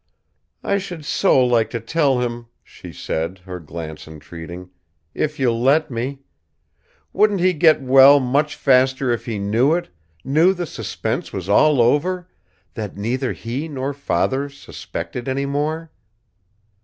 "I should so like to tell him," she said, her glance entreating; "if you'll let me! Wouldn't he get well much faster if he knew it knew the suspense was all over that neither he nor father's suspected any more?"